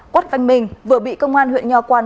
quách văn mình vừa bị công an huyện nho quan